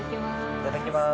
いただきます。